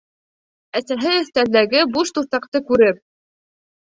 Әсәһе өҫтәлдәге буш туҫтаҡты күреп: